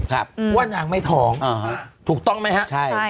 ครับอืมว่านางไม่ท้องอ๋อฮะถูกต้องไหมฮะใช่